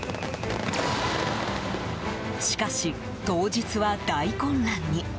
しかし、当日は大混乱に。